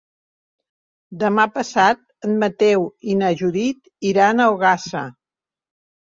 Demà passat en Mateu i na Judit iran a Ogassa.